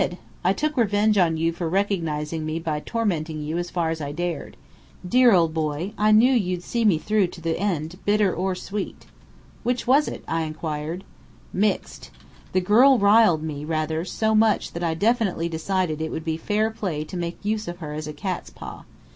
I took revenge on you for recognizing me by tormenting you as far as I dared. Dear old boy, I knew you'd see me through to the end, bitter or sweet!" "Which was it?" I inquired. "Mixed. The girl riled me, rather, so much so that I definitely decided it would be fair play to make use of her as a cat's paw.